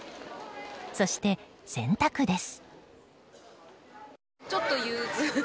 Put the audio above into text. そして、洗濯です。